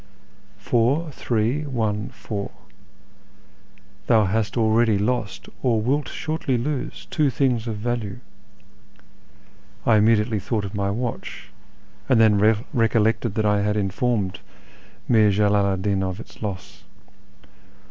Four, three, one, four ; thou hast already lost, or wilt sliortly lose, two things of value " (I immediately thought of my watch, and then recollected that I had informed Mir Jalalu 'd Din of its loss).